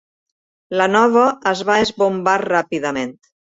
La nova es va esbombar ràpidament.